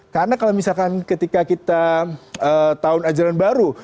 karena kalau misalkan ketika kita tahun ajaran baru